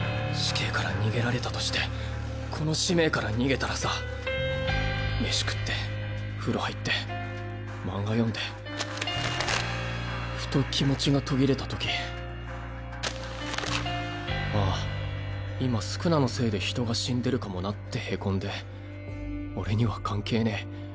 死刑から逃げられたとしてこの使命から逃げたらさ飯食って風呂入って漫画読んでふと気持ちが途切れたとき「ああ今宿儺のせいで人が死んでるかもな」ってへこんで「俺には関係ねぇ。